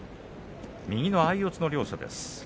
右の相四つの両者です。